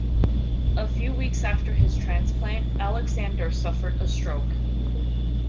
A few weeks after his transplant, Alexander suffered a stroke.